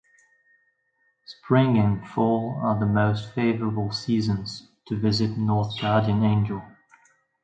Spring and fall are the most favorable seasons to visit North Guardian Angel.